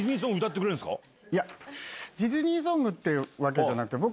ディズニーソングってわけじゃなくて。